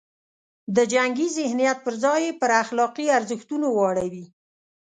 د جنګي ذهنیت پر ځای یې پر اخلاقي ارزښتونو واړوي.